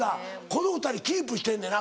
この２人キープしてんねな